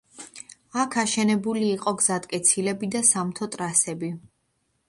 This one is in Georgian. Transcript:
აქ აშენებული იყო გზატკეცილები და სამთო ტრასები.